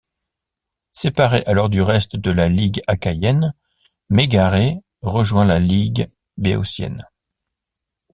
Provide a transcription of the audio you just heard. Séparée alors du reste de la ligue achaïenne, Mégare rejoint la ligue béotienne.